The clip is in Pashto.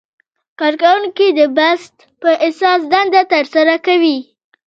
کارکوونکي د بست په اساس دنده ترسره کوي.